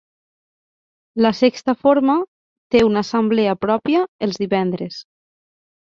La Sexta Forma té una assemblea pròpia els divendres.